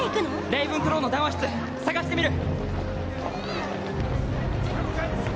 レイブンクローの談話室捜してみる！